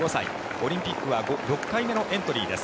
オリンピックは６回目のエントリーです。